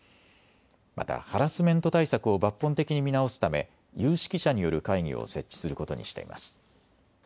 またハラスメント対策を抜本的に見直すため有識者による会議を設置することにしています。